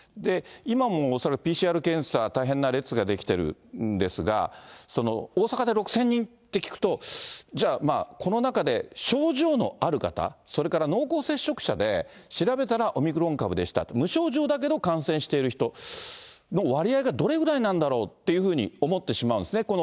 今も恐らくＰＣＲ検査、大変な列が出来ているんですが、大阪で６０００人って聞くと、じゃあまあこの中で症状のある方、それから濃厚接触者で調べたらオミクロン株でした、無症状だけど感染している人の割合がどれぐらいなんだろうというふうに思ってしまうんですね。